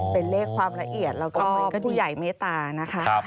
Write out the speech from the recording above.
เป็นเลขความละเอียดแล้วก็มันก็ผู้ใหญ่เมตตานะคะ